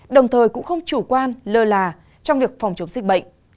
đồng thời cũng không chủ quan lơ là trong việc phòng chống dịch bệnh